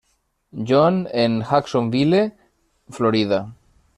John en Jacksonville, Florida.